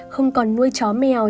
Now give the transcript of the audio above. không còn nuôi chó mèo